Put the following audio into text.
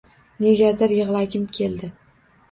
Negadir yig‘lagim keldi.